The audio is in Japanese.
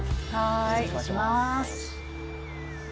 失礼します。